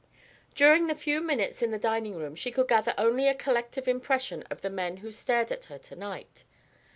During the few moments in the drawing room she could gather only a collective impression of the men who stared at her to night.